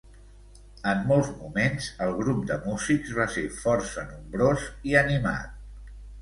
En molts moments el grup de músics va ser força nombrós i animat.